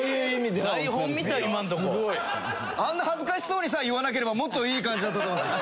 あんな恥ずかしそうにさえ言わなければもっといい感じだったと思うんですけど。